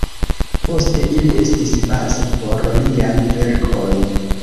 Poste ili estis bazo por liaj verkoj.